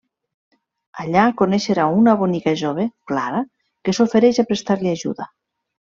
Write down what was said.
Allà coneixerà una bonica jove, Clara, que s'ofereix a prestar-li ajuda.